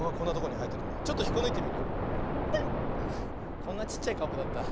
こんなちっちゃいかぶだった。